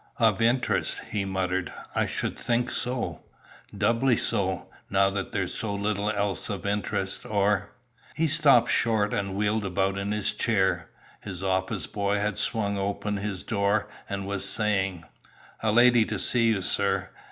"Of interest!" he muttered "I should think so! Doubly so, now that there's so little else of interest, or " He stopped short, and wheeled about in his chair. His office boy had swung open his door, and was saying: "A lady to see you, sir."